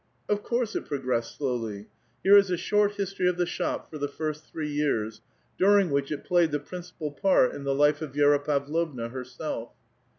Of course it progressed slowly. Here is a short history of the shop for the first three years, during which it played the principal part in the life of Vi^ra Pavlovna herself.